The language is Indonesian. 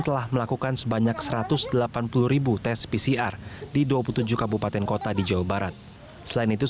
telah melakukan sebanyak satu ratus delapan puluh tes pcr di dua puluh tujuh kabupaten kota di jawa barat selain itu